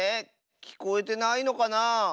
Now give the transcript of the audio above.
きこえてないのかな？